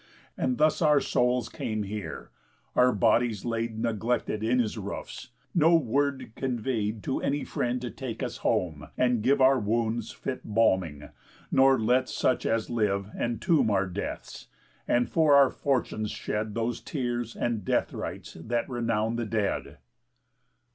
And thus our souls came here; our bodies laid Neglected in his roofs, no word convey'd To any friend to take us home and give Our wounds fit balming, nor let such as live Entomb our deaths, and for our fortunes shed Those tears and dead rites that renown the dead."